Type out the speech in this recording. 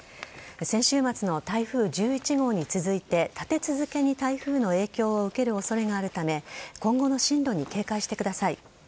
先週末の台風１１号に続いて立て続けに台風の影響を受ける恐れがあるため今後の進路に警戒してください。